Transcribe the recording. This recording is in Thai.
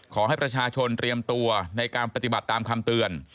ขอให้ประชาชนเตรียมตัวในการปฏิบัติตามคำเตือน